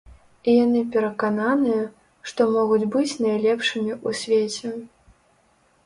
І яны перакананыя, што могуць быць найлепшымі ў свеце.